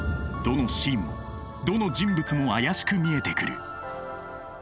どのシーンもどの人物も怪しく見えてくる。